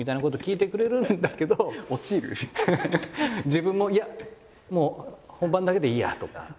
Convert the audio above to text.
自分も「いやもう本番だけでいいや」とか。